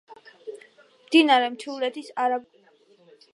მდინარე მთიულეთის არაგვის მარჯვენა ნაპირზე.